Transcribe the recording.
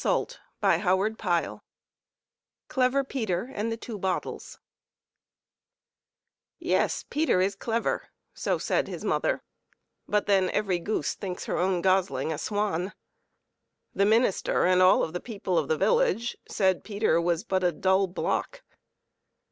TT e Story of one who took his eggs to a good market ""V/ES, Peter is clever." So said his mother; but then X every goose thinks her own gosling a swan. The minister and all of the people of the village said Peter was but a dull block.